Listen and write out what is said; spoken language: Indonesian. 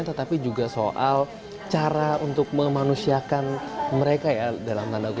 tetapi juga soal cara untuk memanusiakan mereka